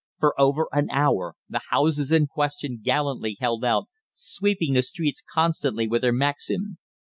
For over an hour the houses in question gallantly held out, sweeping the streets constantly with their Maxim.